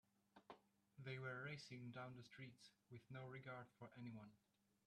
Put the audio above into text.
They were racing down the streets with no regard for anyone.